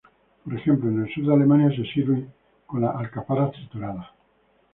Por ejemplo, en el sur de Alemania se sirve con las alcaparras trituradas.